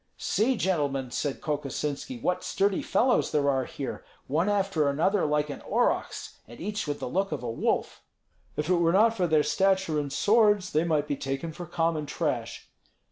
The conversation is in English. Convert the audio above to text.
"See, gentlemen," said Kokosinski, "what sturdy fellows there are here; one after another like an aurochs, and each with the look of a wolf." "If it were not for their stature and swords, they might be taken for common trash."